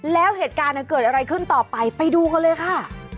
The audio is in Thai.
แล้วเหตุการณ์เกิดอะไรขึ้นต่อไปไปดูกันเลยค่ะ